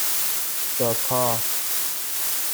داکا